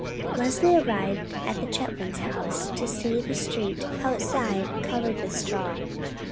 Leslie arrived at the Chetwynds' house to see the street outside covered with straw.